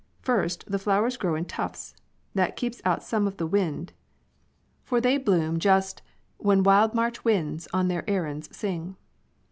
First, the flowers grow in tufts. That keeps out some of the wind, for they bloom just 96 When wild March winds on their errands sing.